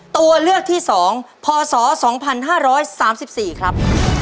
ตัวเลือกที่๒พศ๒๕๓๔ครับ